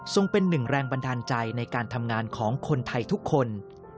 เป็นหนึ่งแรงบันดาลใจในการทำงานของคนไทยทุกคน